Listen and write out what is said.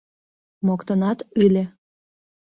Моктанат ыле.